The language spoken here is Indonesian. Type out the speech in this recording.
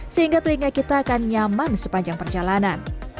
sehingga telinga kita akan nyaman sepanjang perjalanan